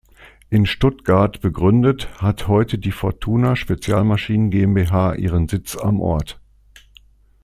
In Stuttgart begründet, hat heute die Fortuna Spezialmaschinen GmbH ihren Sitz am Ort.